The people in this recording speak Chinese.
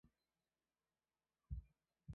埃雷辛格是德国巴伐利亚州的一个市镇。